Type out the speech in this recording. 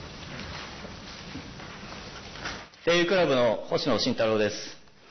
政友クラブの星野慎太郎です。